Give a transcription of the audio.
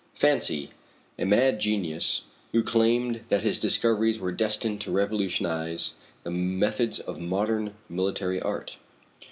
Fancy a mad genius who claimed that his discoveries were destined to revolutionize the methods of modern military art!